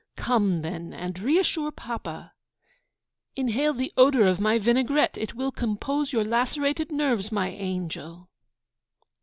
'Come, then, and reassure papa.' 'Inhale the odour of my vinaigrette. It will compose your lacerated nerves, my angel.'